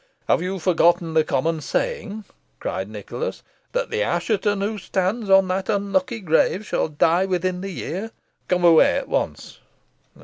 "Have you forgotten the common saying," cried Nicholas "that the Assheton who stands on that unlucky grave shall die within the year? Come away at once."